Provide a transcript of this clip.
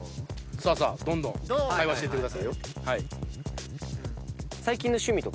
どんどん会話していってくださいよ。